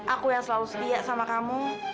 aku yang selalu setia sama kamu